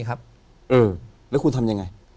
แล้วคุณทำยังไง